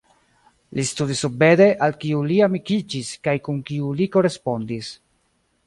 Li studis sub Bede, al kiu li amikiĝis kaj kun kiu li korespondis.